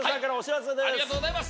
ありがとうございます